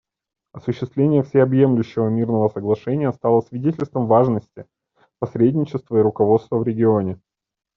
Осуществление Всеобъемлющего мирного соглашения стало свидетельством важности посредничества и руководства в регионе.